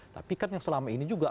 tapi kan yang selama ini juga